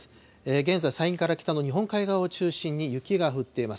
現在、山陰から北の日本海側を中心に雪が降っています。